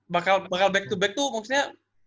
bakal back to back tuh maksudnya